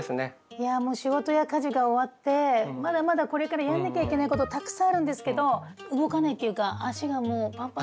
いやもう仕事や家事が終わってまだまだこれからやらなきゃいけないことたくさんあるんですけど動かないっていうか足がもうパンパンで。